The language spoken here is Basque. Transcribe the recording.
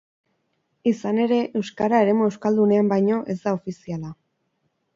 Izan ere, euskara eremu euskaldunean baino ez da ofiziala.